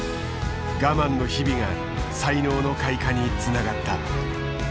我慢の日々が才能の開花につながった。